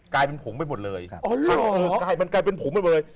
กลายเป็นผงไปหมดเลยมันกลายเป็นผงไปหมดเลย